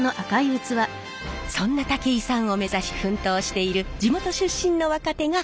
そんな武井さんを目指し奮闘している地元出身の若手がこの方！